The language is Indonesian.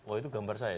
oh itu gambar saya